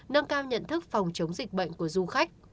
nâng cao nhận thức phòng chống dịch bệnh của du khách